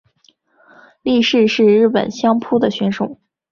力士是日本相扑的选手。